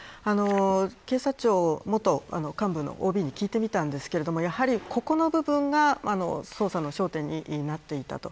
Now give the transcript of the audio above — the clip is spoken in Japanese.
警察庁元幹部のＯＢに聞いてみたんですけれどもここの部分が、やはり捜査の焦点になっていたと。